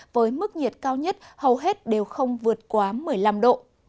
với mức nhiệt cao nhất hầu hết đều không vượt quá một mươi năm độ